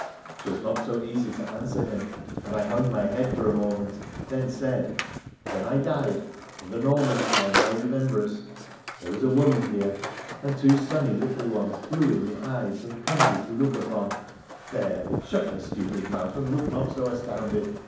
' 'Twas not so easy to answer him, and I hung my head for a moment ; then said :' When I died — in the Norman time, thou rememberest — there was a woman here, and two sunny little ones, blue in the eyes and comely to look upon There, shut thy stupid mouth, and look not so astounded